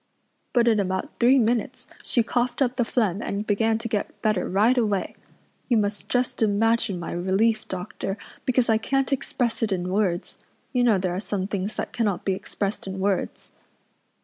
But in about three minutes she coughed up the phlegm and began to get better right away. You must just imagine my relief, doctor, because I can't express it in words. You know there are some things that cannot be expressed in words."